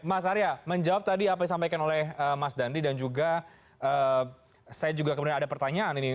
mas arya menjawab tadi apa yang disampaikan oleh mas dandi dan juga saya juga kemudian ada pertanyaan ini